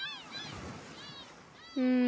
うん。